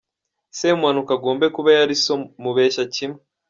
Semuhanuka agombe kuba yari so… mubeshya kimwe!